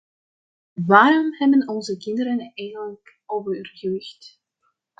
Waarom hebben onze kinderen eigenlijk overgewicht?